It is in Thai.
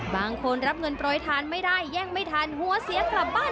บางคนรับเงินโปรยทานไม่ได้แย่งไม่ทันหัวเสียกลับบ้าน